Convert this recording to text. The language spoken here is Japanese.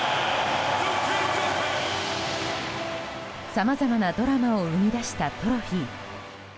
さまざまなドラマを生み出したトロフィー。